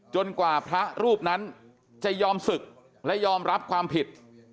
กว่าพระรูปนั้นจะยอมศึกและยอมรับความผิด